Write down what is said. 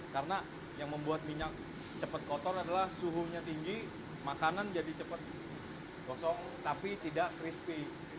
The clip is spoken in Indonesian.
karena yang membuat minyak cepat kotor adalah suhunya tinggi makanan jadi cepat kosong tapi tidak crispy